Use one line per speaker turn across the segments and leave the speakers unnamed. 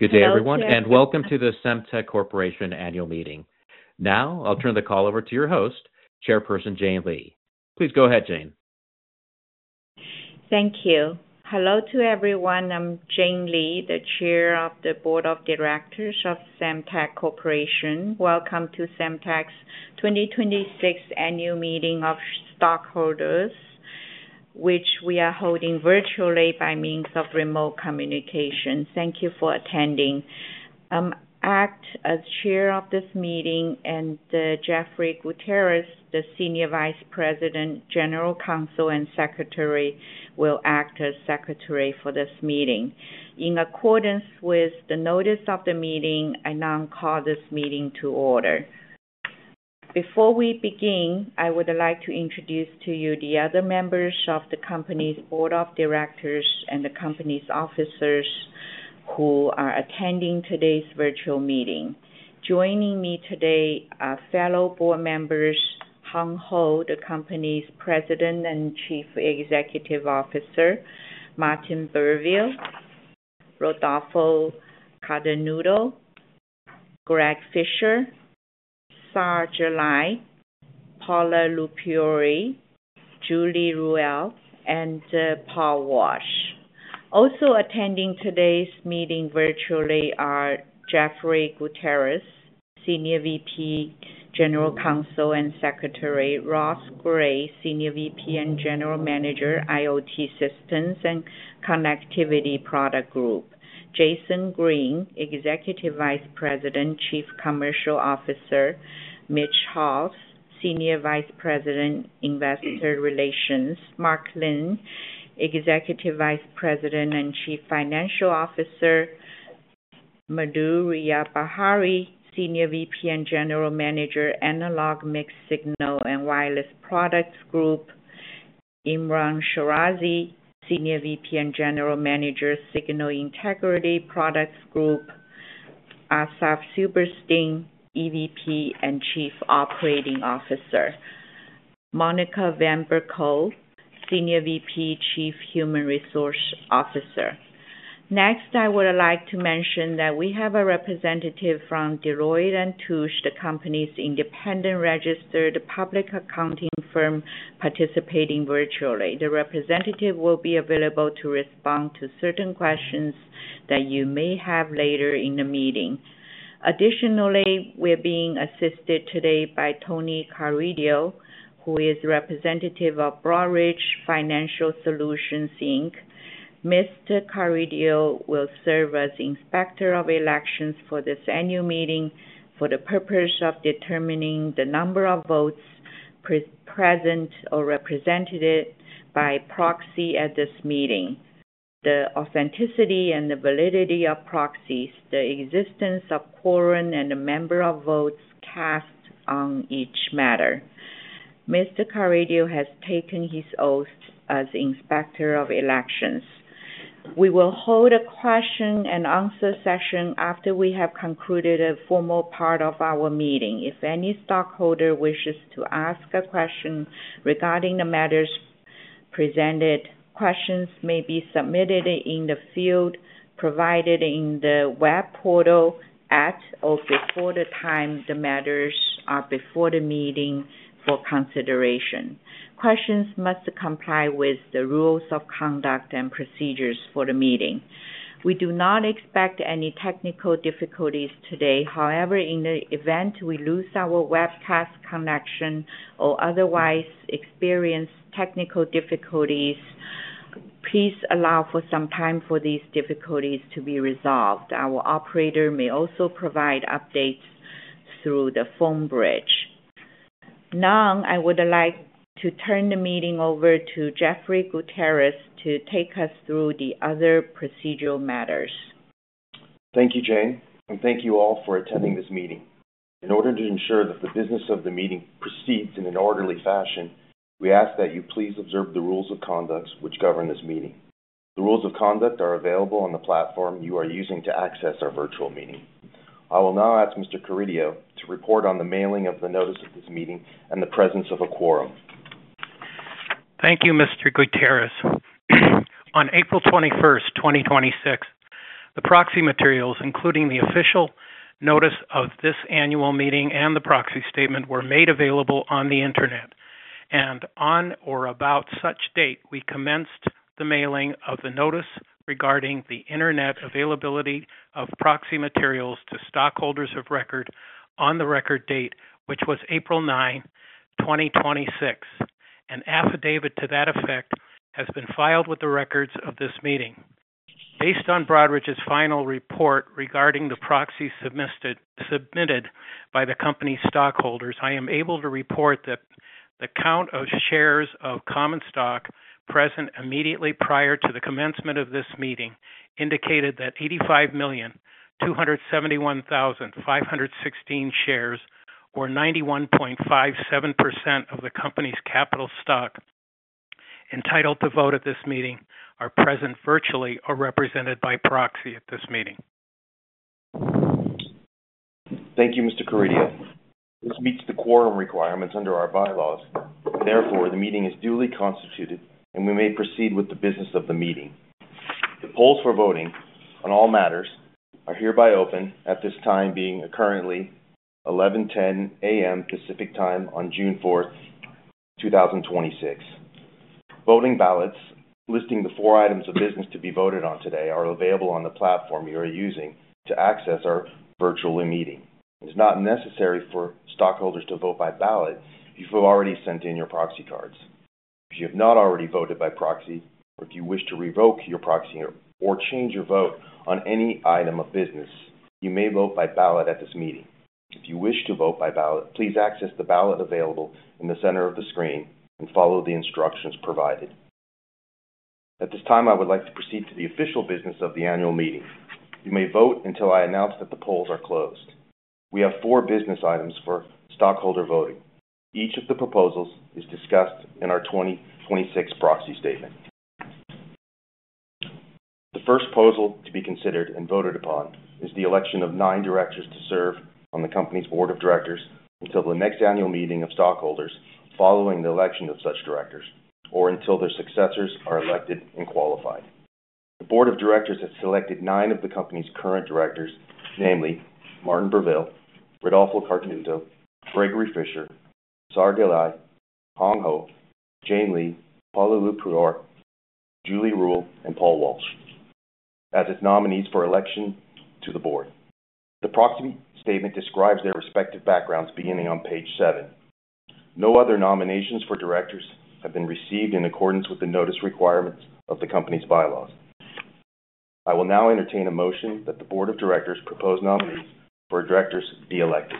Good day everyone, and welcome to the Semtech Corporation Annual Meeting. Now, I'll turn the call over to your host, Chairperson Jane Li. Please go ahead, Jane.
Thank you. Hello to everyone. I'm Jane Li, the Chair of the Board of Directors of Semtech Corporation. Welcome to Semtech's 2026 Annual Meeting of Stockholders, which we are holding virtually by means of remote communication. Thank you for attending. I act as Chair of this meeting, and Jeffrey Gutierrez, the Senior Vice President, General Counsel, and Secretary, will act as Secretary for this meeting. In accordance with the Notice of the Meeting, I now call this meeting to order. Before we begin, I would like to introduce to you the other members of the company's Board of Directors and the company's officers who are attending today's virtual meeting. Joining me today are fellow Board Members, Hong Hou, the company's President and Chief Executive Officer, Martin Burvill, Rodolpho Cardenuto, Greg Fischer, Saar Gillai, Paula LuPriore, Julie Ruehl, and Paul Walsh. Also attending today's meeting virtually are Jeffrey Gutierrez, Senior VP, General Counsel and Secretary, Ross Gray, Senior VP and General Manager, IoT Systems and Connectivity Product Group, Jason Green, Executive Vice President, Chief Commercial Officer, Mitch Haws, Senior Vice President, Investor Relations, Mark Lin, Executive Vice President and Chief Financial Officer, Madhu Rayabhari, Senior VP and General Manager, Analog, Mixed-Signal & Wireless Products Group, Imran Sherazi, Senior VP and General Manager, Signal Integrity Products Group, Asaf Silberstein, EVP and Chief Operating Officer, Monica Van Berkel, Senior VP, Chief Human Resources Officer. Next, I would like to mention that we have a representative from Deloitte & Touche, the company's independent registered public accounting firm, participating virtually. The representative will be available to respond to certain questions that you may have later in the meeting. Additionally, we're being assisted today by Tony Carideo, who is representative of Broadridge Financial Solutions, Inc. Mr. Carideo will serve as Inspector of Elections for this annual meeting for the purpose of determining the number of votes present or represented by proxy at this meeting, the authenticity and the validity of proxies, the existence of quorum, and the number of votes cast on each matter. Mr. Carideo has taken his oath as Inspector of Elections. We will hold a question-and-answer session after we have concluded a formal part of our meeting. If any stockholder wishes to ask a question regarding the matters presented, questions may be submitted in the field provided in the web portal at or before the time the matters are before the meeting for consideration. Questions must comply with the rules of conduct and procedures for the meeting. We do not expect any technical difficulties today. In the event we lose our webcast connection or otherwise experience technical difficulties, please allow for some time for these difficulties to be resolved. Our operator may also provide updates through the phone bridge. I would like to turn the meeting over to Jeffrey Gutierrez to take us through the other procedural matters.
Thank you, Jane, and thank you all for attending this meeting. In order to ensure that the business of the meeting proceeds in an orderly fashion, we ask that you please observe the rules of conduct which govern this meeting. The rules of conduct are available on the platform you are using to access our virtual meeting. I will now ask Mr. Carideo to report on the mailing of the Notice of this Meeting and the presence of a quorum.
Thank you, Mr. Gutierrez. On April 21st, 2026, the proxy materials, including the official Notice of this Annual Meeting and the Proxy Statement, were made available on the Internet. On or about such date, we commenced the mailing of the notice regarding the Internet availability of proxy materials to stockholders of record on the record date, which was April 9, 2026. An affidavit to that effect has been filed with the records of this meeting. Based on Broadridge's final report regarding the proxies submitted by the company's stockholders, I am able to report that the count of shares of common stock present immediately prior to the commencement of this meeting indicated that 85,271,516 shares, or 91.57% of the company's capital stock entitled to vote at this meeting, are present virtually or represented by proxy at this meeting.
Thank you, Mr. Carideo. This meets the quorum requirements under our bylaws. Therefore, the meeting is duly constituted, and we may proceed with the business of the meeting. The polls for voting on all matters are hereby open at this time being currently 11:10 A.M. Pacific Time on June 4th, 2026. Voting ballots listing the four items of business to be voted on today are available on the platform you are using to access our virtual meeting. It is not necessary for stockholders to vote by ballot if you've already sent in your proxy cards. If you have not already voted by proxy, or if you wish to revoke your proxy or change your vote on any item of business, you may vote by ballot at this meeting. If you wish to vote by ballot, please access the ballot available in the center of the screen and follow the instructions provided. At this time, I would like to proceed to the official business of the annual meeting. You may vote until I announce that the polls are closed. We have four business items for stockholder voting. Each of the proposals is discussed in our 2026 Proxy Statement. The first proposal to be considered and voted upon is the election of nine directors to serve on the company's Board of Directors until the next annual meeting of stockholders following the election of such directors or until their successors are elected and qualified. The Board of Directors has selected nine of the company's current directors, namely Martin Burvill, Rodolpho Cardenuto, Gregory Fischer, Saar Gillai, Hong Hou, Jane Li, Paula LuPriore, Julie Ruehl, and Paul Walsh, as its nominees for election to the board. The Proxy Statement describes their respective backgrounds beginning on Page 7. No other nominations for directors have been received in accordance with the notice requirements of the company's bylaws. I will now entertain a motion that the Board of Directors' proposed nominees for directors be elected.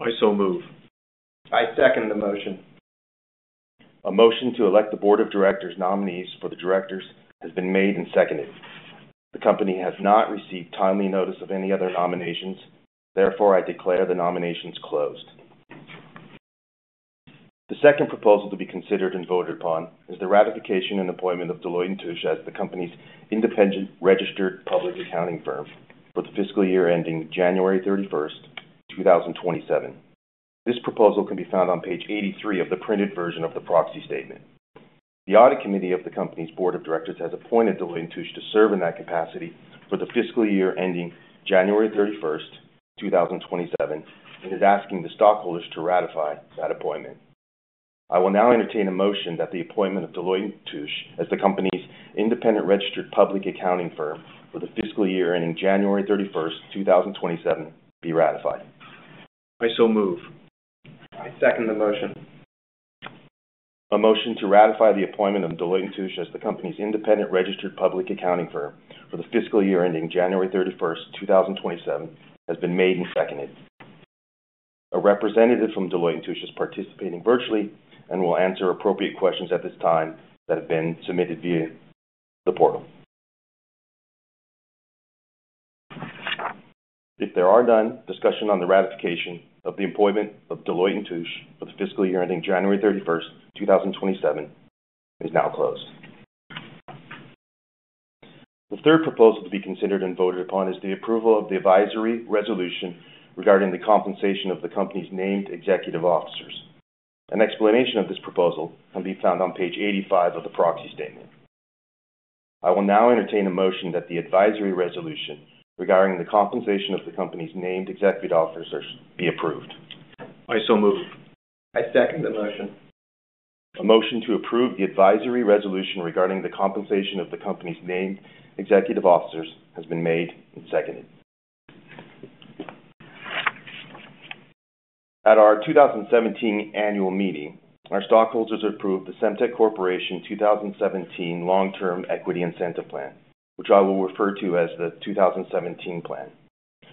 I so move.
I second the motion.
A motion to elect the Board of Directors' nominees for the directors has been made and seconded. The company has not received timely notice of any other nominations. Therefore, I declare the nominations closed. The second proposal to be considered and voted upon is the ratification and appointment of Deloitte & Touche as the company's independent registered public accounting firm for the fiscal year ending January 31st, 2027. This proposal can be found on Page 83 of the printed version of the Proxy Statement. The Audit Committee of the company's Board of Directors has appointed Deloitte & Touche to serve in that capacity for the fiscal year ending January 31st, 2027, and is asking the stockholders to ratify that appointment. I will now entertain a motion that the appointment of Deloitte & Touche as the company's independent registered public accounting firm for the fiscal year ending January 31st, 2027, be ratified.
I so move.
I second the motion.
A motion to ratify the appointment of Deloitte & Touche as the company's independent registered public accounting firm for the fiscal year ending January 31st, 2027, has been made and seconded. A representative from Deloitte & Touche is participating virtually and will answer appropriate questions at this time that have been submitted via the portal. If there are none, discussion on the ratification of the appointment of Deloitte & Touche for the fiscal year ending January 31st, 2027, is now closed. The third proposal to be considered and voted upon is the approval of the advisory resolution regarding the compensation of the company's named executive officers. An explanation of this proposal can be found on Page 85 of the Proxy Statement. I will now entertain a motion that the advisory resolution regarding the compensation of the company's named executive officers be approved.
I so move.
I second the motion.
A motion to approve the advisory resolution regarding the compensation of the company's named executive officers has been made and seconded. At our 2017 annual meeting, our stockholders approved the Semtech Corporation 2017 Long-Term Equity Incentive Plan, which I will refer to as the 2017 plan.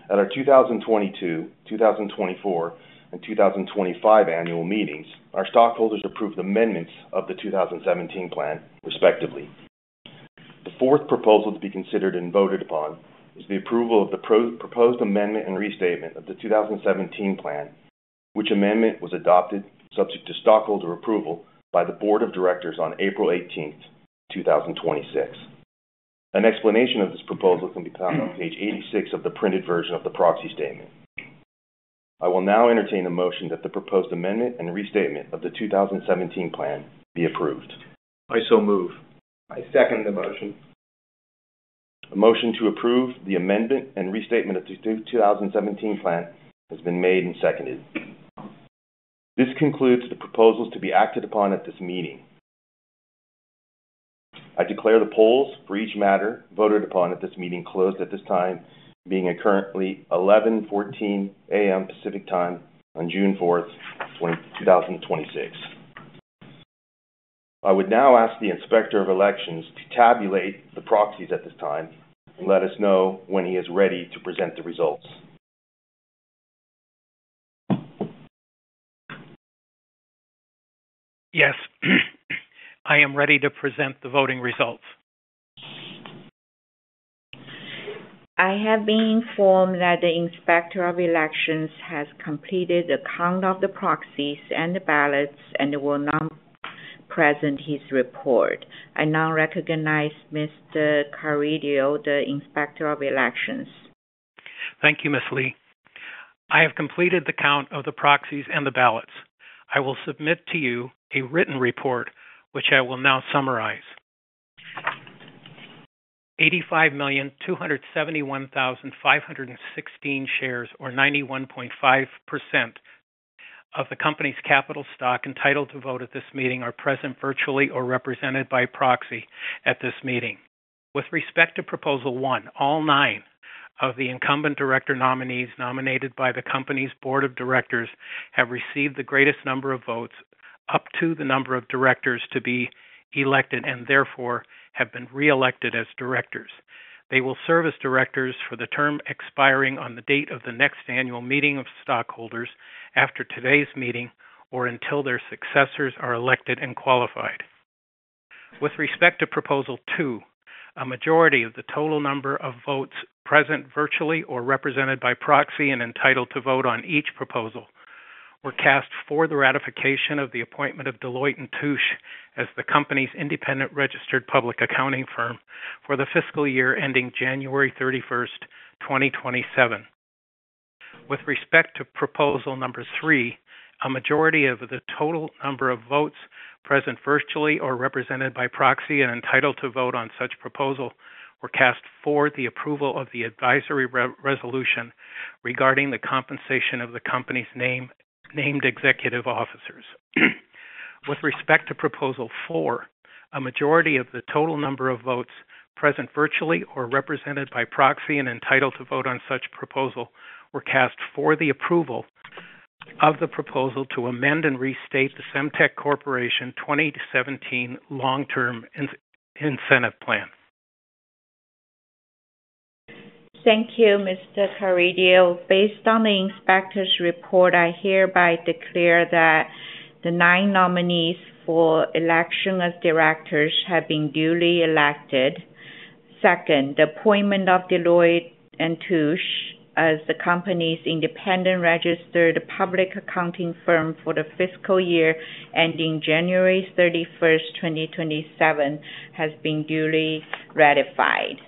At our 2022, 2024, and 2025 annual meetings, our stockholders approved amendments of the 2017 plan respectively. The fourth proposal to be considered and voted upon is the approval of the proposed amendment and restatement of the 2017 plan, which amendment was adopted subject to stockholder approval by the Board of Directors on April 18th, 2026. An explanation of this proposal can be found on Page 86 of the printed version of the Proxy Statement. I will now entertain a motion that the proposed amendment and restatement of the 2017 plan be approved.
I so move.
I second the motion.
A motion to approve the amendment and restatement of the 2017 Plan has been made and seconded. This concludes the proposals to be acted upon at this meeting. I declare the polls for each matter voted upon at this meeting closed at this time, being currently 11:14 A.M. Pacific Time on June 4th, 2026. I would now ask the Inspector of Elections to tabulate the proxies at this time and let us know when he is ready to present the results.
Yes. I am ready to present the voting results.
I have been informed that the Inspector of Elections has completed the count of the proxies and the ballots and will now present his report. I now recognize Mr. Carideo, the Inspector of Elections.
Thank you, Ms. Li. I have completed the count of the proxies and the ballots. I will submit to you a written report, which I will now summarize. 85,271,516 shares, or 91.5%, of the company's capital stock entitled to vote at this meeting are present virtually or represented by proxy at this meeting. With respect to Proposal 1, all nine of the incumbent director nominees nominated by the company's Board of Directors have received the greatest number of votes up to the number of directors to be elected, and therefore have been reelected as directors. They will serve as directors for the term expiring on the date of the next annual meeting of stockholders after today's meeting, or until their successors are elected and qualified. With respect to Proposal 2, a majority of the total number of votes present virtually or represented by proxy and entitled to vote on each proposal were cast for the ratification of the appointment of Deloitte & Touche as the company's independent registered public accounting firm for the fiscal year ending January 31st, 2027. With respect to Proposal number 3, a majority of the total number of votes present virtually or represented by proxy and entitled to vote on such proposal were cast for the approval of the advisory resolution regarding the compensation of the company's named executive officers. With respect to Proposal 4, a majority of the total number of votes present virtually or represented by proxy and entitled to vote on such proposal were cast for the approval of the proposal to amend and restate the Semtech Corporation 2017 Long-Term Equity Incentive Plan.
Thank you, Mr. Carideo. Based on the Inspector's report, I hereby declare that the nine nominees for election as directors have been duly elected. Second, the appointment of Deloitte & Touche LLP as the company's independent registered public accounting firm for the fiscal year ending January 31st, 2027, has been duly ratified.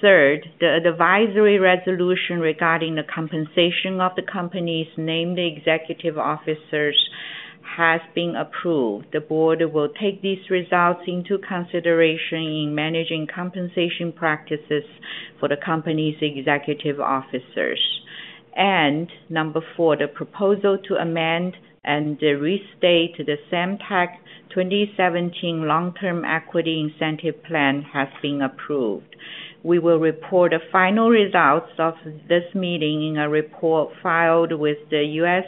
Third, the advisory resolution regarding the compensation of the company's named executive officers has been approved. The board will take these results into consideration in managing compensation practices for the company's executive officers. Number four, the proposal to amend and restate the Semtech 2017 Long-Term Equity Incentive Plan has been approved. We will report the final results of this meeting in a report filed with the U.S.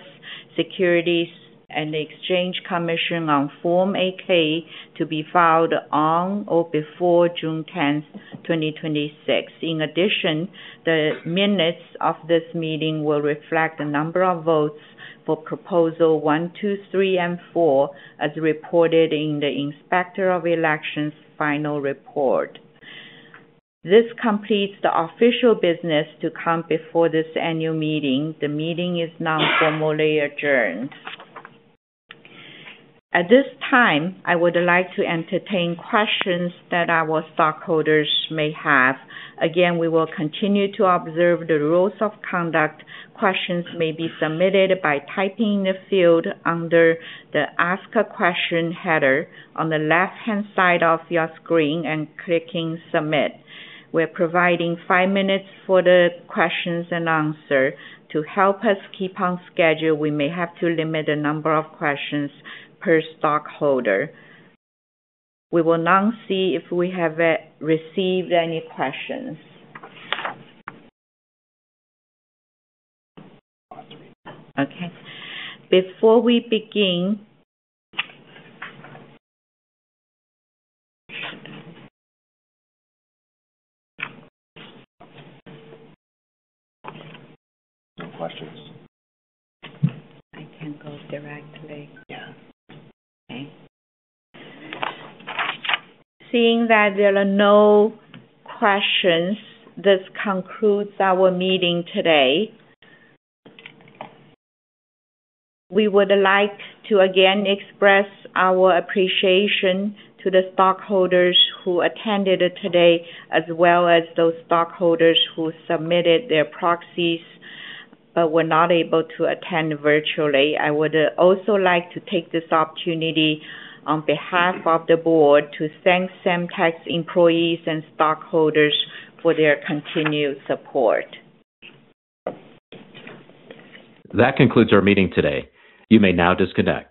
Securities and Exchange Commission on Form 8-K, to be filed on or before June 10th, 2026. In addition, the minutes of this meeting will reflect the number of votes for Proposal 1, 2, 3, and 4, as reported in the Inspector of Elections' final report. This completes the official business to come before this annual meeting. The meeting is now formally adjourned. At this time, I would like to entertain questions that our stockholders may have. Again, we will continue to observe the rules of conduct. Questions may be submitted by typing in the field under the Ask a Question header on the left-hand side of your screen and clicking Submit. We're providing five minutes for the questions and answers. To help us keep on schedule, we may have to limit the number of questions per stockholder. We will now see if we have received any questions. Okay.
No questions.
I can go directly.
Yeah.
Seeing that there are no questions, this concludes our meeting today. We would like to again express our appreciation to the stockholders who attended today, as well as those stockholders who submitted their proxies but were not able to attend virtually. I would also like to take this opportunity on behalf of the board to thank Semtech's employees and stockholders for their continued support.
That concludes our meeting today. You may now disconnect.